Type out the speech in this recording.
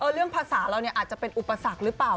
เรื่องภาษาเราเนี่ยอาจจะเป็นอุปสรรคหรือเปล่า